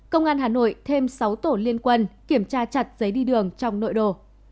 công an hà nội thêm sáu tổ liên quân kiểm tra chặt giấy đi đường trong nội đồ